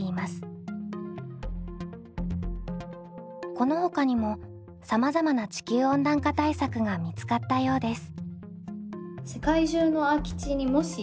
このほかにもさまざまな地球温暖化対策が見つかったようです。